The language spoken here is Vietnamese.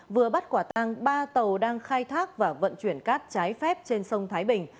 vừa bắt quả tăng ba tàu đang khai thác và vận chuyển cát trái phép trên sông thái bình